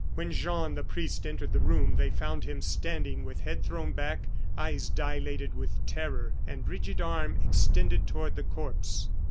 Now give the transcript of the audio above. When Jean and the priest entered the room they found him standing with head thrown back, eyes dilated with terror, and rigid arm extended toward the corpse.